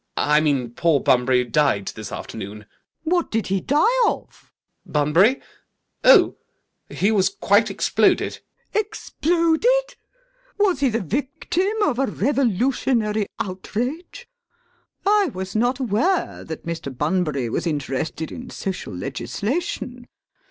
I mean poor Bunbury died this afternoon. LADY BRACKNELL. What did he die of? ALGERNON. Bunbury? Oh, he was quite exploded. LADY BRACKNELL. Exploded! Was he the victim of a revolutionary outrage? I was not aware that Mr. Bunbury was interested in social legislation.